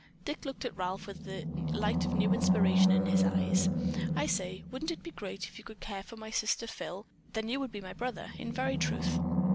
Dick looked at Ralph with the light of a new inspiration in his eyes. "I say, wouldn't it be great if you could care for my sister Phyl? Then you would be my brother in very truth."